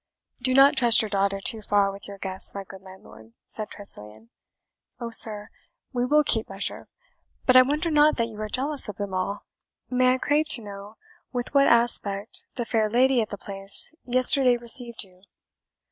"Do not trust your daughter too far with your guests, my good landlord," said Tressilian. "Oh, sir, we will keep measure; but I wonder not that you are jealous of them all. May I crave to know with what aspect the fair lady at the Place yesterday received you?"